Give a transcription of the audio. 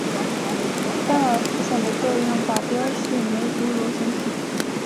洒尔佛散的作用靶标是梅毒螺旋体。